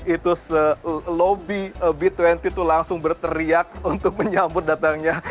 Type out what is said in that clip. itu lobby b dua puluh itu langsung berteriak untuk menyambut datangnya